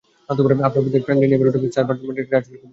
আপনাদের friendly neighbourhood স্পাইডার-ম্যানের এইটা আসলেই খুব দরকার।